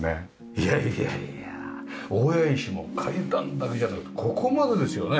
いやいやいや大谷石も階段だけじゃなくここまでですよね。